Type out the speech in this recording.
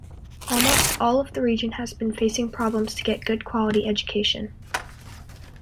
Almost all of the region has been facing problems to get good quality education.